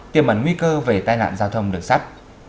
tiềm ẩn nguy cơ về tai nạn giao thông đường sắt